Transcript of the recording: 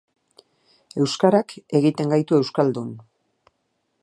Euskarak egiten gaitu euskaldun.